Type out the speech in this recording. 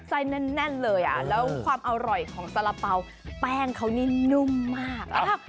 แน่นเลยอ่ะแล้วความอร่อยของสาระเป๋าแป้งเขานี่นุ่มมาก